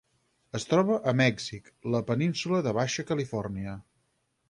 Es troba a Mèxic: la península de Baixa Califòrnia.